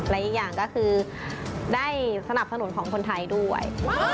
และอีกอย่างก็คือได้สนับสนุนของคนไทยด้วย